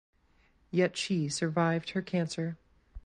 Yet she survived her cancer.